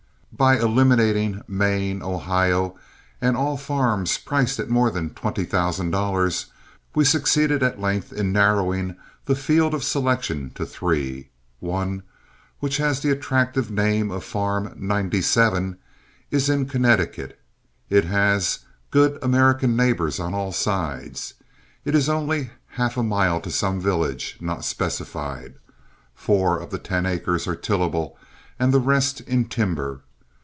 By eliminating Maine, Ohio and all farms priced at more than twenty thousand dollars, we succeeded at length in narrowing the field of selection to three. One, which has the attractive name of Farm No. 97, is in Connecticut. It has "good American neighbors on all sides." It is only half a mile to some village, not specified. Four of the ten acres are tillable and the rest in timber.